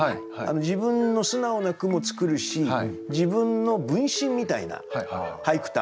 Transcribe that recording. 自分の素直な句も作るし自分の分身みたいな俳句ってあるんですよ。